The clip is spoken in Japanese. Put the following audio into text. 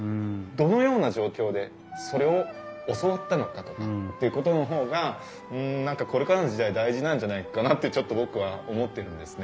どのような状況でそれを教わったのかとかっていうことの方が何かこれからの時代大事なんじゃないかなってちょっと僕は思ってるんですね。